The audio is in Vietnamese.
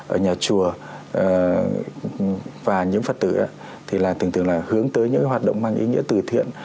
ở nhà chùa và những phật tử thì là tưởng tượng là hướng tới những hoạt động mang ý nghĩa từ thiện